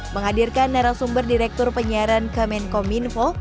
menghadirkan narasumber direktur penyiaran kemenkominfo